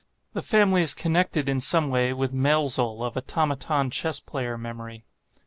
The family is connected, in some way, with Mäelzel, of Automaton chess player memory.